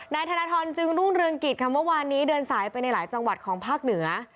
นายธนทรจึงรุ่งเรืองกิจค่ะเมื่อวานนี้เดินสายไปในหลายจังหวัดของภาคเหนือ